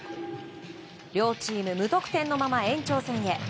両チーム、無得点のまま延長戦へ。